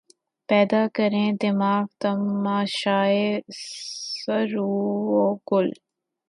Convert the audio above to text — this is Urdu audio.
پیدا کریں دماغ تماشائے سَرو و گل